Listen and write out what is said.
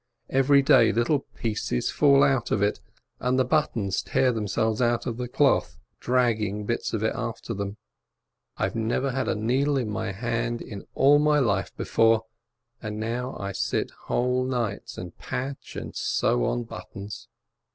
Every day little pieces fall out of it, and the buttons tear themselves out of the cloth, dragging bits of it after them. 284 BERDYCZEWSK1 I never had a needle in my hand in all my life be fore, and now I sit whole nights and patch and sew on buttons.